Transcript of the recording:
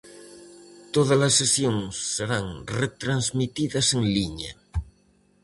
Todas as sesións serán retransmitidas en liña.